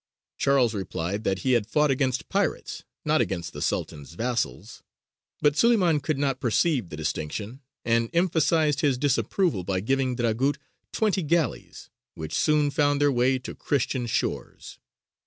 Charles replied that he had fought against pirates, not against the Sultan's vassals; but Suleymān could not perceive the distinction, and emphasized his disapproval by giving Dragut twenty galleys, which soon found their way to Christian shores.